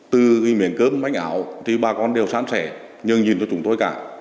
từ miền cơm bánh ảo thì bà con đều sáng sẻ nhường nhìn cho chúng tôi cả